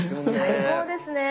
最高ですね！